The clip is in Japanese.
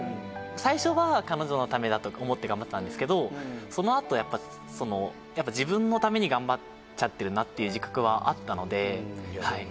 最初は彼女のためだと思って頑張ってたんですけどそのあとやっぱそのやっぱなっていう自覚はあったのでは